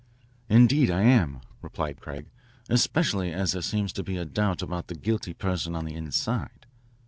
"Indeed I am," replied Craig, "especially as there seems to be a doubt about the guilty person on the inside."